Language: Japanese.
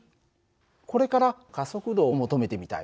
これから加速度を求めてみたい。